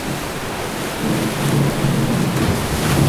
Jaribio la kwanza aliibuka mshindi.